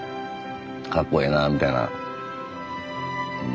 かっこええなみたいなうん。